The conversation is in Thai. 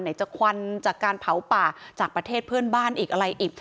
จะควันจากการเผาป่าจากประเทศเพื่อนบ้านอีกอะไรอีก